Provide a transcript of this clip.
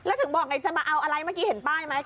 แล้วถึงบอกไงจะมาเอาอะไรเมื่อกี้เห็นป้ายไหม